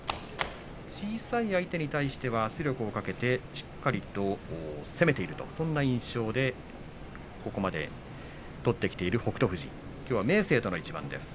小さい相手に対して圧力をかけてしっかりと攻めているそんな印象でここまで取ってきている北勝富士です。